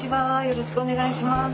よろしくお願いします。